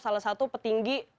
salah satu petinggi